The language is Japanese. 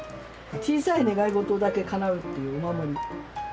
小さい願い事だけかなうっていうお守り。